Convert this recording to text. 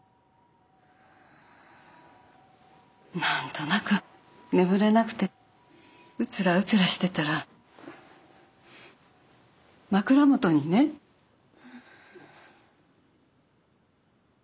何となく眠れなくてうつらうつらしてたら枕元にねあの人がいて。